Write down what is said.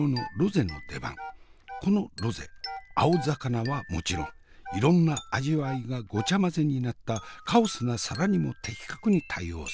このロゼ青魚はもちろんいろんな味わいがごちゃ混ぜになったカオスな皿にも的確に対応する。